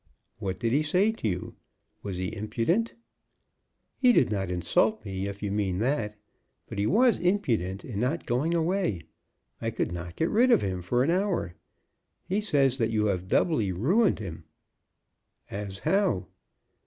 "What did he say to you? Was he impudent?" "He did not insult me, if you mean that; but he was impudent in not going away, and I could not get rid of him for an hour. He says that you have doubly ruined him." "As how?"